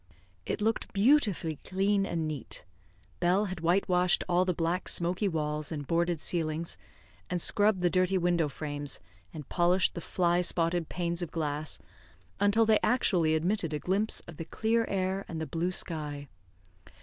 It looked beautifully clean and neat. Bell had whitewashed all the black, smoky walls and boarded ceilings, and scrubbed the dirty window frames, and polished the fly spotted panes of glass, until they actually admitted a glimpse of the clear air and the blue sky.